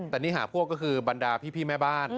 แต่นี่หาพวกก็คือบรรดาพี่แม่บ้าน